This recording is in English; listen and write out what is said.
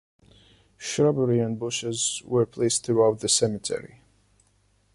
Shrubbery and bushes were placed throughout the cemetery.